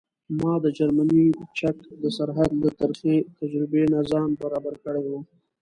ما د جرمني چک د سرحد له ترخې تجربې نه ځان برابر کړی و.